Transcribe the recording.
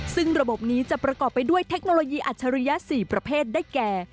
ซึ่งระบบนี้จะประกอบไปด้วยเทคโนโลยีอัจฉริยะ๔ประเภทได้แก่